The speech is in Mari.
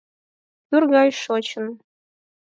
Кӱр гай шочын.